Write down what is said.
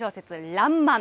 らんまん。